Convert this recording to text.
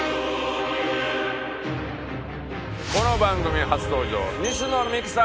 この番組初登場西野美姫さんです。